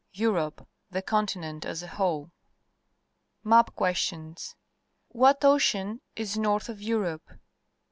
EUROPE Y THE CONTINENT AS A WHOLE Map Questions. — What ocean is north of Europe?